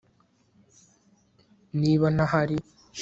niba ntahari